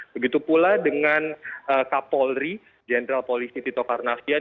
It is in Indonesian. begitu pula dengan kapolri jenderal polisi tito karnavian